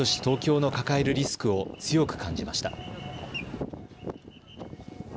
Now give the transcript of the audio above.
東京の抱えるリスクを強く感じました。